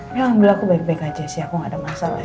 ini alhamdulillah aku baik baik aja sih aku gak ada masalah